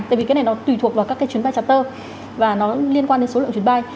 tại vì cái này nó tùy thuộc vào các cái chuyến bay chater và nó liên quan đến số lượng chuyến bay